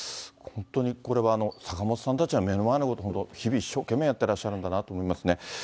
本当にこれは坂本さんたちは目の前のこと、本当、日々、一生懸命やってらっしゃるんだなと思いますね。